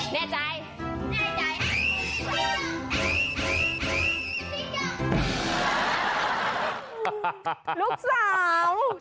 ไม่เพราะอยากใส่เพราะแม่มีผู้ชายเต็มร้อย